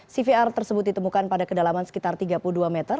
cvr tersebut ditemukan pada kedalaman sekitar tiga puluh dua meter